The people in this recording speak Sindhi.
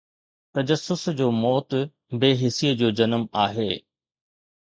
تجسس جو موت بي حسيءَ جو جنم آهي.